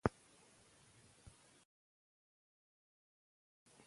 امانتداري په نظام کې درغلي کموي.